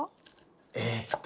えっと